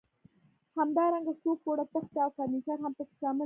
همدارنګه څو پوړه تختې او فرنیچر هم پکې شامل دي.